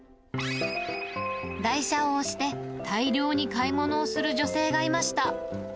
台車を押して、大量に買い物をする女性がいました。